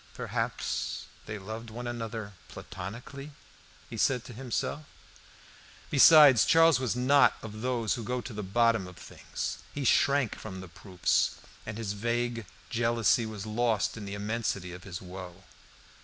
"Perhaps they loved one another platonically," he said to himself. Besides, Charles was not of those who go to the bottom of things; he shrank from the proofs, and his vague jealousy was lost in the immensity of his woe.